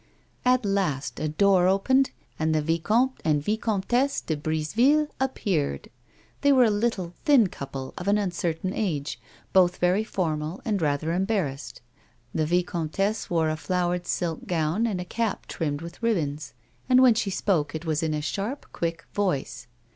At last a door opened, and the Vicomte and Yieomtesse de Briseville appeared. They were a little, thin couple of an uncertain age, both very formal and rather embarrassed. The vicomtesse wore a flowered silk gown and a cap trimmed with ribbons, and when she spoke it was in a sharp, quick voice.